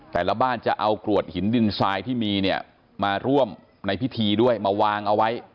แต่ละบ้านจะเอากรวดหินดินทรายที่มีเนี่ยมาร่วมในพิธีด้วยมาวางเอาไว้